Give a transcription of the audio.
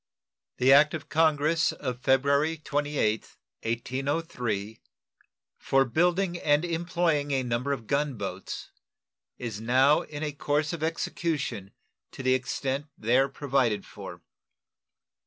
The act of Congress of February 28th, 1803, for building and employing a number of gun boats, is now in a course of execution to the extent there provided for.